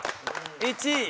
１位。